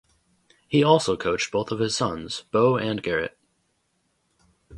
He also coached both of his sons, Bo and Garrett.